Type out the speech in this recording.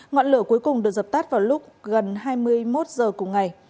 ngọn lửa cuối cùng được dập tắt vào lúc gần hai mươi một h cùng ngày